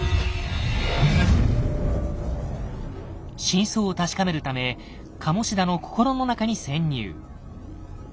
真相を確かめるため鴨志田の心の中に潜入。